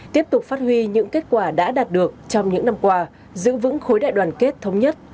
tiếp tục phát huy những kết quả đã đạt được trong những năm qua giữ vững khối đại đoàn kết thống nhất